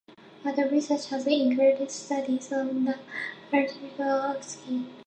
Other research has included studies on the antiviral aciclovir.